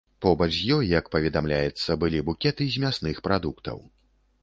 Побач з ёй, як паведамляецца, былі букеты з мясных прадуктаў.